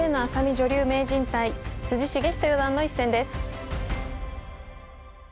女流名人対篤仁四段の一戦です。